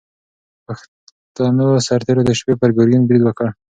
پښتنو سرتېرو د شپې پر ګورګین برید وکړ.